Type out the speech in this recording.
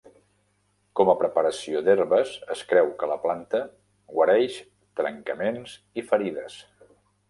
Com a preparació d'herbes, es creu que la planta guareix trencaments i ferides.